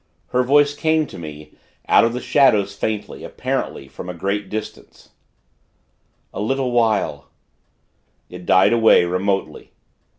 Her voice came to me, out of the shadows, faintly; apparently from a great distance: 'A little while ' It died away, remotely.